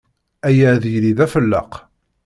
Aya ad yili d afelleq.